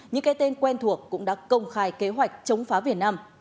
những cái tên quen thuộc cũng đã công khai kế hoạch chống phá việt nam